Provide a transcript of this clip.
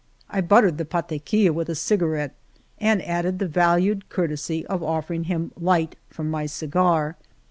I buttered the pataquilla with a cigarette, and added the valued courtesy of offering him light from my cigar.